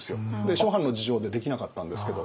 諸般の事情でできなかったんですけど。